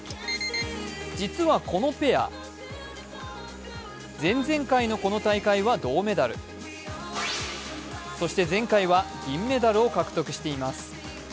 実はこのペア、前々回のこの大会は銅メダル、そして前回は銀メダルを獲得しています。